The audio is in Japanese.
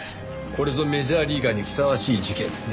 これぞメジャーリーガーにふさわしい事件っすね。